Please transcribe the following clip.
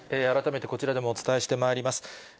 改めてこちらでもお伝えしてまいります。